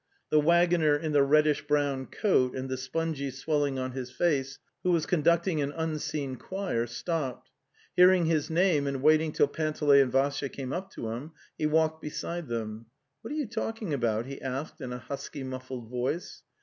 'The waggoner in the reddish brown coat and the spongy swelling on his face, who was conducting an unseen choir, stopped. Hearing his name, and wait ing till Panteley and Vassya came up to him, he walked beside them. 'What are you talking about?"' he asked in a husky muffled voice.